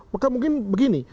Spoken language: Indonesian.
maka mungkin begini